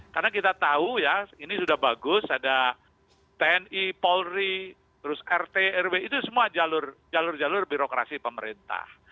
karena kita tahu ya ini sudah bagus ada tni polri terus rtrw itu semua jalur jalur birokrasi pemerintah